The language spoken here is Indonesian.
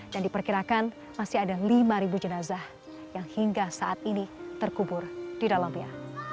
dan diperkirakan masih ada lima jenazah yang hingga saat ini terkubur di dalamnya